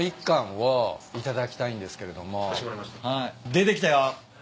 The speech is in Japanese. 出てきたよ。